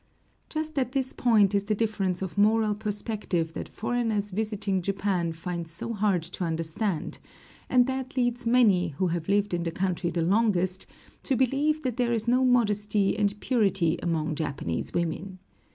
Just at this point is the difference of moral perspective that foreigners visiting Japan find so hard to understand, and that leads many, who have lived in the country the longest, to believe that there is no modesty and purity among Japanese women.